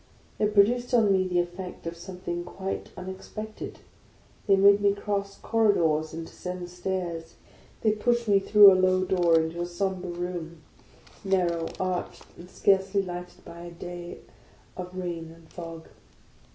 It produced on me the effect of something quite unexpected. They made me cross corri dors, and descend stairs, they pushed me through a low door into a sombre room, narrow, arched, and scarcely lighted by a day of rain and fog.